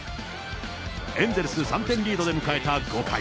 エンゼルス３点リードで迎えた５回。